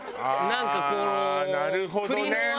ああなるほどね。